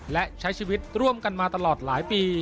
และใช้ชีวิตร่วมกันมาตลอดหลายปี